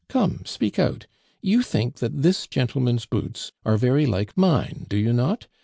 Come, speak out! You think that this gentleman's boots are very like mine, do you not?